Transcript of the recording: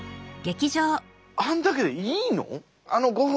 あんだけでいいの？